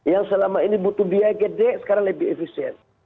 yang selama ini butuh biaya gede sekarang lebih efisien